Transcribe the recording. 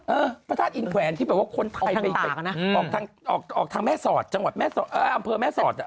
เออประชาติอินแขวนที่บอกว่าคนไทยไปออกทางแม่สอดอำเภอแม่สอด